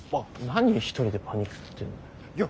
何一人でパニクってんだよ。